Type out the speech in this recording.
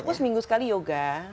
aku seminggu sekali yoga